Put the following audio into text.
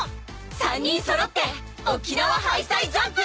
３人そろって沖縄ハイサイジャンプ！